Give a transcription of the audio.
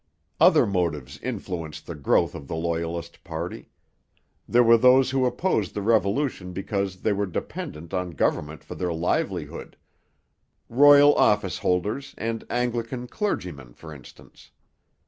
Other motives influenced the growth of the Loyalist party. There were those who opposed the Revolution because they were dependent on government for their livelihood, royal office holders and Anglican clergymen for instance.